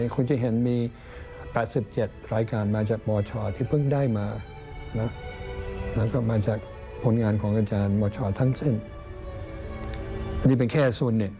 ก็เพราะที่นี่มีวิชาไทยศึกษา